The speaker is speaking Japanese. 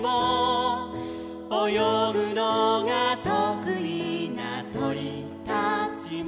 「およぐのがとくいなとりたちも」